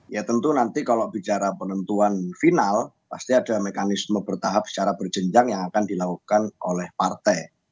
ya tentu nanti kalau bicara penentuan final pasti ada mekanisme bertahap secara berjenjang yang akan dilakukan oleh partai